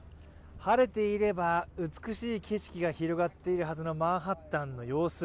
晴れていれば美しい景色が広がっているはずのマンハッタンの様子。